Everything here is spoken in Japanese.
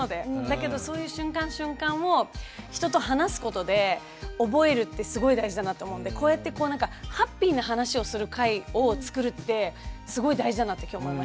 だけどそういう瞬間瞬間を人と話すことで覚えるってすごい大事だなと思ってこうやってこうなんかハッピーな話をする回をつくるってすごい大事だなって今日思いました。